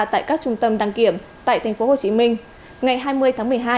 tại các trung tâm đăng kiểm tại tp hcm ngày hai mươi tháng một mươi hai